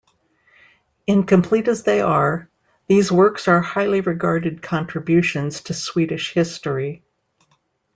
Incomplete as they are, these works are highly regarded contributions to Swedish history.